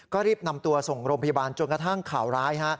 ก็รีบนำตัวส่งโรงพยาบาลจนกระทั่งข่าวร้าย